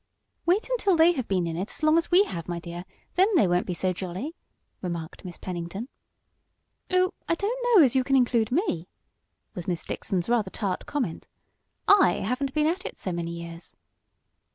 "Wait until they have been in it as long as we have, my dear, then they won't be so jolly," remarked Miss Pennington. "Oh, I don't know as you can include me," was Miss Dixon's rather tart comment. "I haven't been at it so many years."